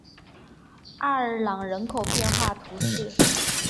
阿尔朗人口变化图示